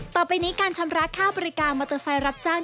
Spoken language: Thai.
ต่อไปนี้การชำระค่าบริการมอเตอร์ไซค์รับจ้าง